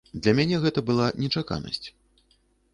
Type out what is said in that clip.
Для мяне гэта была нечаканасць.